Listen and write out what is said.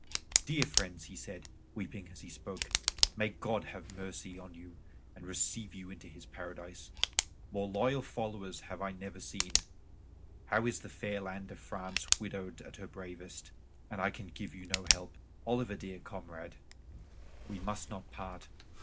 "Dear friends," he said, weeping as he spoke, "may God have mercy on you and receive you into His Paradise! More loyal followers have I never seen. How is the fair land of France widowed of her bravest, and I can give you no help. Oliver, dear comrade, we must not part.